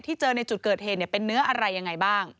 เจอในจุดเกิดเหตุเป็นเนื้ออะไรยังไงบ้าง